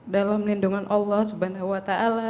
dalam lindungan allah swt